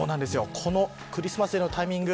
このクリスマスのタイミング